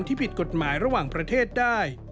ผิดกฎหมายระหว่างประเทศได้